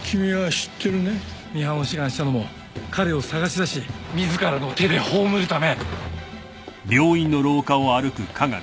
ミハンを志願したのも彼を捜し出し自らの手で葬るため。